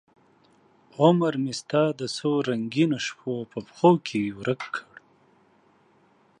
عمرمې ستا د څورنګینوشپو په پښوکې ورک کړ